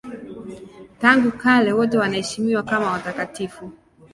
Tangu kale wote wanaheshimiwa kama watakatifu.